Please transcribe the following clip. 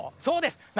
そうです